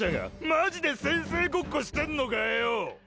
マジで先生ごっこしてんのかよ